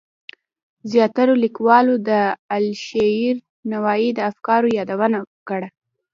زیاترو لیکوالو د علیشیر نوایی د افکارو یادونه کړه.